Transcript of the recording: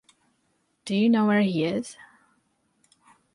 Do you know where he is?